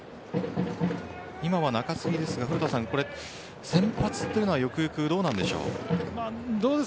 今は中継ぎですが古田さん、先発というのはどうなんでしょうか。